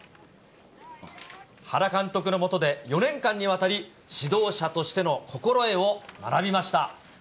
原監督の下で４年間にわたり、指導者としての心得を学びました。